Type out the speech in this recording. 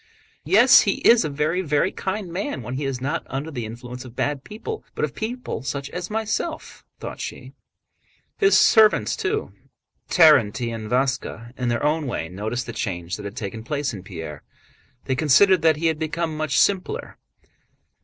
"Yes, he is a very, very kind man when he is not under the influence of bad people but of people such as myself," thought she. His servants too—Terénty and Váska—in their own way noticed the change that had taken place in Pierre. They considered that he had become much "simpler."